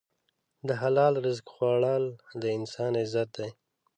د حلال رزق خوړل د انسان عزت دی.